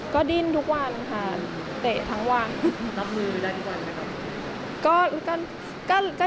ก็ดิ้นทุกวันค่ะเตะทั้งวัน